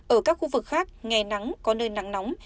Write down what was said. ở các khu vực khác ngày nắng có nơi nắng nóng